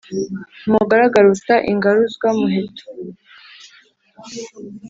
Umugaragu aruta ingaruzwa muheto.